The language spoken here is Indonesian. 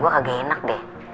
gue gak enak deh